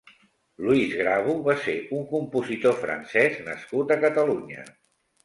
Louis Grabu va ser un compositor francès nascut a Catalunya.